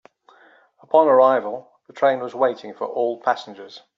Upon arrival, the train was waiting for all passengers.